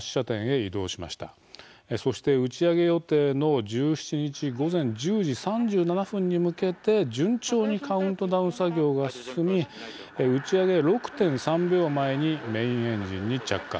そして、打ち上げ予定の１７日午前１０時３７分に向けて順調にカウントダウン作業が進み打ち上げ６．３秒前にメインエンジンに着火。